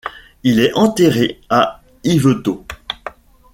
Il est enterré à Yvetot.